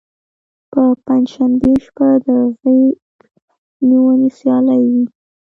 په پنجشنبې شپه د غیږ نیونې سیالۍ وي.